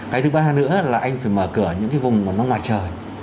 cái thứ ba nữa là anh phải mở cửa những cái vùng mà nó ngoài trời